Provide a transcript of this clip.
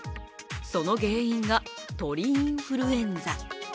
その原因が、鳥インフルエンザ。